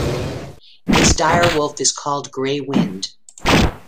His dire wolf is called Grey Wind.